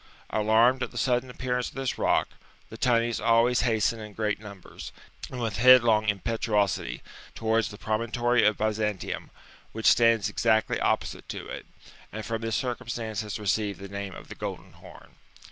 Alarmed at the sudden appearance of this rock, the tunnies always hasten in great numbers, and with headlong impetuosity, to wards the promontory of Byzantium, which stands exactly opposite to it, and from this circumstance has received the name of the Golden Horn.